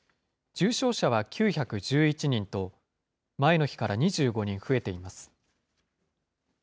重症者は９１１人と、前の日から２５人増えています。